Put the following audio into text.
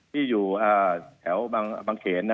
ที่อยู่แถวบางเขน